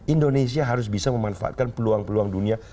indonesia harus bisa memanfaatkan peluang peluang dunia